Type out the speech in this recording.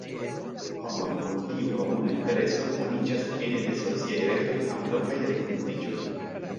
Homoj kun tiu komuna intereso kuniĝas ene de sociaj retoj aŭ lokaj renkontiĝoj.